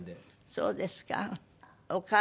そうですか。